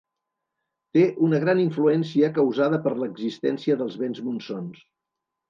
Té una gran influència causada per l'existència dels vents Monsons.